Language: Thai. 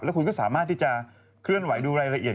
คุณก็สามารถที่จะเคลื่อนไหวดูรายละเอียด